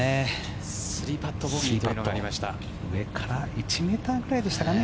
３パットボギーというのが上から１ｍくらいでしたかね